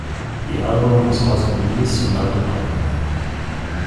The album was also released on double vinyl.